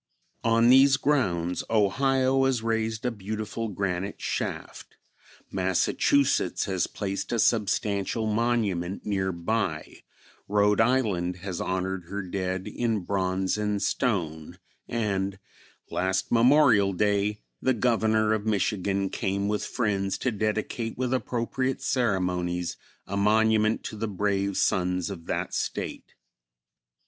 On these grounds Ohio has raised a beautiful granite shaft, Massachusetts has placed a substantial monument near by, Rhode Island has honored her dead in bronze and stone, and last Memorial Day the Governor of Michigan came with friends to dedicate with appropriate ceremonies a monument to the brave sons of that State.